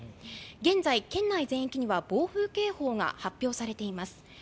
現在、県内全域には暴風警報が発表されています。